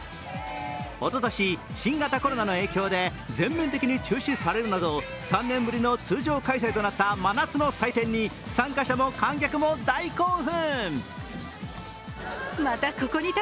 おととし、新型コロナの影響で全面的に中止されるなど、３年ぶりの通常開催となった真夏の祭典に参加者も観客も大興奮。